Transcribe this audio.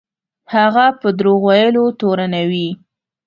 هغه په دروغ ویلو تورنوي.